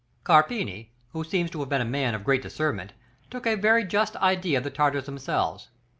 Carpini who seems to have been a man of great discernment took a very just idea of the Tartars themselves.